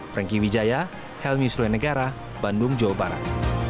franky wijaya helmi sule negara bandung jawa barat